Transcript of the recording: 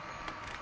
あ！